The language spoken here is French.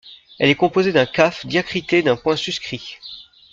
Elle est composée d’un kāf diacrité d’un point suscrit.